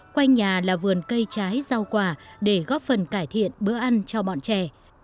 quanh nhà là vườn cây trái rau quả để góp phần cải thiện bữa ăn cho bọn trẻ